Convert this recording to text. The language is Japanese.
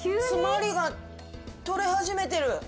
つまりが取れ始めてる。